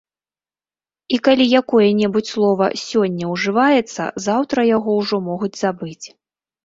І калі якое-небудзь слова сёння ўжываецца, заўтра яго ўжо могуць забыць.